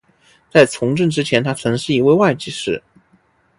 在从政之前他曾是一位会计师。